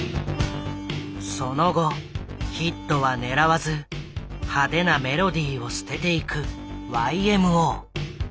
その後ヒットは狙わず派手なメロディーを捨てていくＹＭＯ。